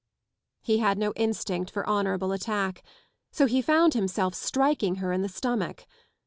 He had no instinct for honourable attack, so he found himself striking her in the stomach.